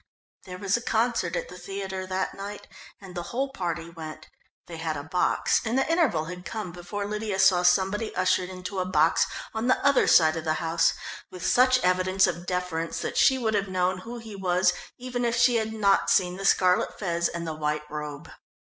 There was a concert at the theatre that night and the whole party went. They had a box, and the interval had come before Lydia saw somebody ushered into a box on the other side of the house with such evidence of deference that she would have known who he was even if she had not seen the scarlet fez and the white robe.